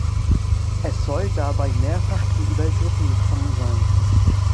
Es soll dabei mehrfach zu Übergriffen gekommen sein.